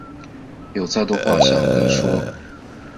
有再多话想跟说